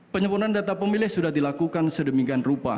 penyempurnaan data pemilih sudah dilakukan sedemikian rupa